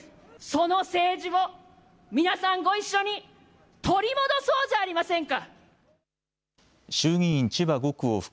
その政治を皆さんご一緒に取り戻そうじゃありませんか。